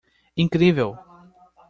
Incrível!